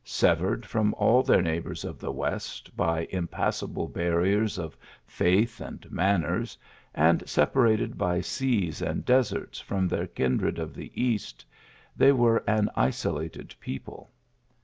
Secured from all their neighbours of the west by impassable bar riers of faith and manners, and separated by seas and deserts from their kindred of the east, they were MOV L KM D OM1NA TICK IK SPAIN. 49 an isolated people.